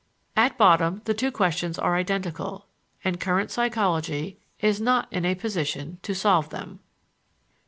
At bottom the two questions are identical, and current psychology is not in a position to solve them.